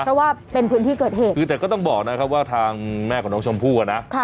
เพราะว่าเป็นพื้นที่เกิดเหตุคือแต่ก็ต้องบอกนะครับว่าทางแม่ของน้องชมพู่อ่ะนะ